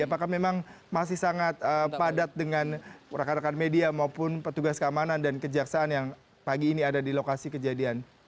apakah memang masih sangat padat dengan rekan rekan media maupun petugas keamanan dan kejaksaan yang pagi ini ada di lokasi kejadian